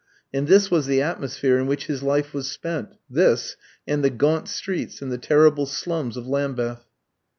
And this was the atmosphere in which his life was spent this, and the gaunt streets and the terrible slums of Lambeth.